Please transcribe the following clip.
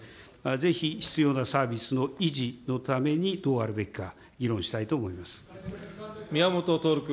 ぜひ必要なサービスの維持のためにどうあるべきか議論したいと思宮本徹君。